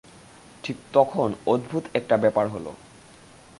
ঠিক তখন অদ্ভুত একটা ব্যাপার হল।